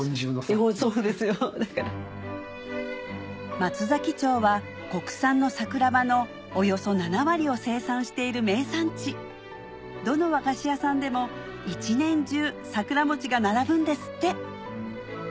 松崎町は国産の桜葉のおよそ７割を生産している名産地どの和菓子屋さんでも一年中さくらもちが並ぶんですって